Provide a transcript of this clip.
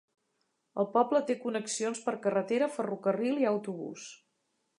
El poble té connexions per carretera, ferrocarril i autobús.